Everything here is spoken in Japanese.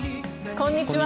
こんにちは。